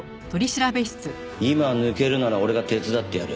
今抜けるなら俺が手伝ってやる。